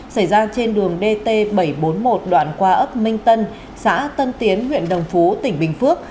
xảy ra trên đường dt bảy trăm bốn mươi một đoạn qua ấp minh tân xã tân tiến huyện đồng phú tỉnh bình phước